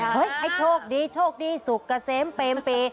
ให้โชคดีโชคดีสุขเกษมเปรมปี